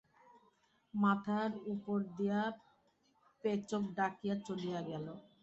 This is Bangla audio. মাথার উপর দিয়া পেচক ডাকিয়া চলিয়া গেল।